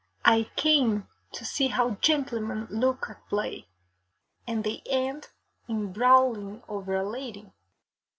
'I came to see how gentlemen look at play, and they end in brawling over a lady!